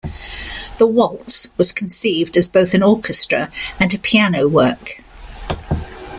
The waltz was conceived as both an orchestra and a piano work.